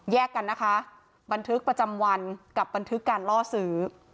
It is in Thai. กันนะคะบันทึกประจำวันกับบันทึกการล่อซื้อ